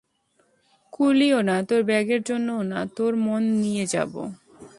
কুলিও না, তোর ব্যাগের জন্যও না, তোর মন নিয়ে যাবে।